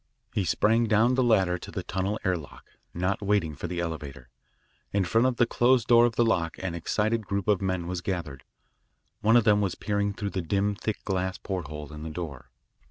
He sprang down the ladder to the tunnel air lock, not waiting for the elevator. In front of the closed door of the lock, an excited group of men was gathered. One of them was peering through the dim, thick, glass porthole in the door.